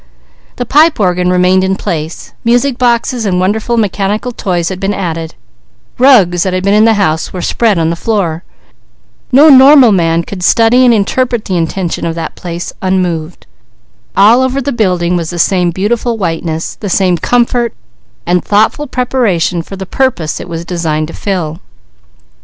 The pipe organ remained in place, music boxes and wonderful mechanical toys had been added, rugs that had been in the house were spread on the floor. No normal man could study and interpret the intention of that place unmoved. All over the building was the same beautiful whiteness, the same comfort, and thoughtful preparation for the purpose it was designed to fill.